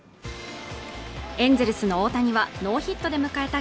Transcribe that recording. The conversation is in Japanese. エンゼルスの大谷はノーヒットで迎えた